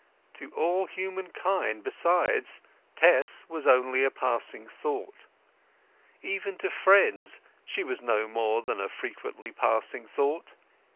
To all humankind besides, Tess was only a passing thought. Even to friends she was no more than a frequently passing thought.